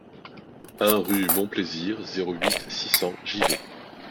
un rue Mon Plaisir, zéro huit, six cents, Givet